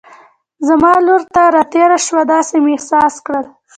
زما لور ته را تېر شو، داسې مې احساس کړل.